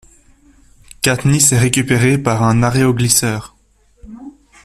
Katniss est récupérée par un aéroglisseur.